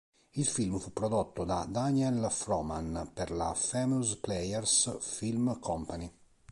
Il film fu prodotto da Daniel Frohman per la Famous Players Film Company.